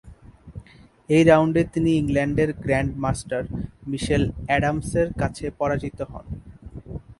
এই রাউন্ডে তিনি ইংল্যান্ডের গ্রান্ড মাস্টার "মিশেল অ্যাডামসের" কাছে পরাজিত হন।